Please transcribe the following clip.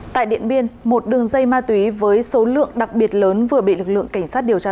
tại điện biên một đường dây ma túy với số lượng đặc biệt lớn vừa bị lực lượng cảnh sát điều tra